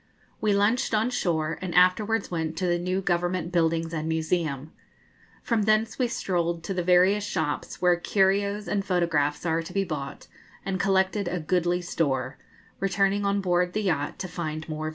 We lunched on shore, and afterwards went to the new Government buildings and museum. From thence we strolled to the various shops where 'curios' and photographs are to be bought, and collected a goodly store, returning on board the yacht to find more visitors.